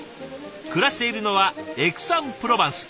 暮らしているのはエクサン・プロバンス。